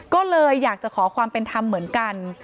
ก็เลยอยากจะขอความเป็นธรรมเหมือนกัน